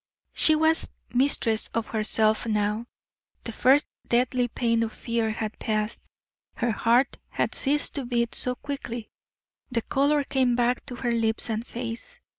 She was mistress of herself now; the first deadly pain of fear had passed; her heart had ceased to beat so quickly; the color came back to her lips and face.